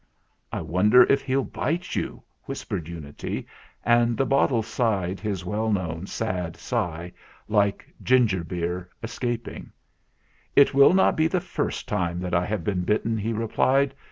"I wonder if he'll bite you?" whispered Unity, and the bottle sighed his well known sad sigh, like ginger beer escaping. "It will not be the first time that I have been bitten/' he replied.